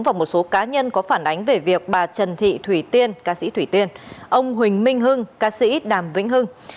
và một số cá nhân có phản ánh về việc bà trần thị thủy tiên ca sĩ thủy tiên ông huỳnh minh hưng ca sĩ đàm vĩnh hưng